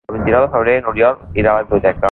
El vint-i-nou de febrer n'Oriol irà a la biblioteca.